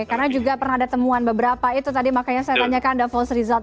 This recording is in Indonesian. karena juga pernah ada temuan beberapa itu tadi makanya saya tanyakan ada false result